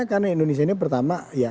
karena indonesia ini pertama ya